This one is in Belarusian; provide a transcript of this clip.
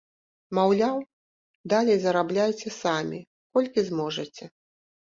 Маўляў, далей зарабляйце самі, колькі зможаце.